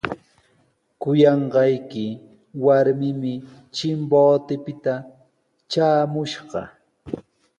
Kuyanqayki warmimi Chimbotepita traamushqa.